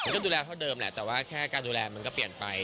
ก็ดูแลเท่าเดิมแหละแต่ว่าแค่การดูแลมันก็เปลี่ยนไป